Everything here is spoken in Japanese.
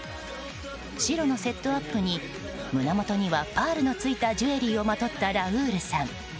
白のセットアップに胸元にはパールのついたジュエリーをまとったラウールさん。